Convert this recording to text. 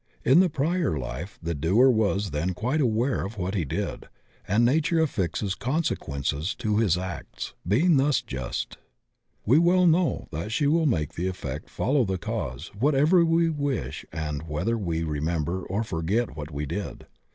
In the prior life the doer was tiien quite aware of what he did, and nature aflSxes consequences to his acts, being thus just. We well know that she will make the effect follow the cause whatever we wish and whether we remember or forget what we did.